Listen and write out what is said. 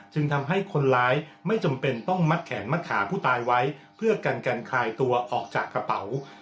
ทำให้คนร้ายไม่จำเป็นต้องมัดแขนมัดขาผู้ตายไว้เพื่อกันกันคลายตัวออกจากกระเป๋า